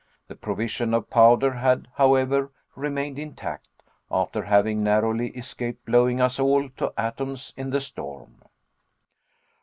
The provision of powder had, however, remained intact, after having narrowly escaped blowing us all to atoms in the storm.